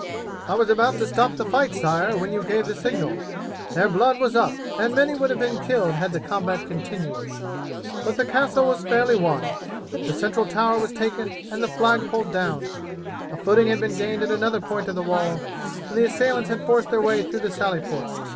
"I was about to stop the fight, sire, when you gave the signal. Their blood was up, and many would have been killed had the combat continued. But the castle was fairly won, the central tower was taken and the flag pulled down, a footing had been gained at another point of the wall, and the assailants had forced their way through the sally port.